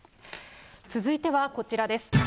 続いてはこちらです。